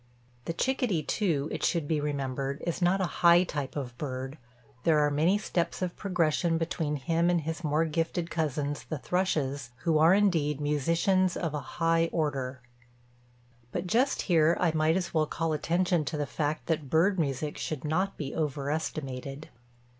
"The chickadee, too, it should be remembered, is not a high type of bird; there are many steps of progression between him and his more gifted cousins, the thrushes, who are, indeed, musicians of a high order. But, just here I might as well call attention to the fact that bird music should not be overestimated.